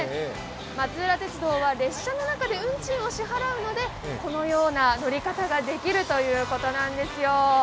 松浦鉄道は列車の中で運賃を支払うのでこのような乗り方ができるということなんですよ。